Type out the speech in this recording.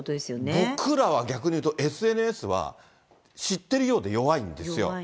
僕らは逆に言うと、ＳＮＳは、知ってるようで弱いんですよ。